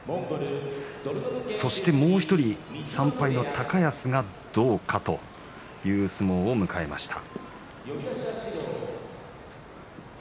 もう１人の３敗高安はどうかという相撲を迎えました。